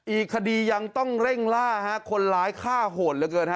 อีกคดียังต้องเร่งล่าคนร้ายฆ่าโหดเหลือเกินฮะ